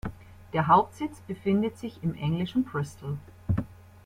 Der Hauptsitz befindet sich im englischen Bristol.